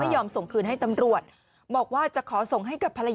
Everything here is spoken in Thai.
ยอมส่งคืนให้ตำรวจบอกว่าจะขอส่งให้กับภรรยา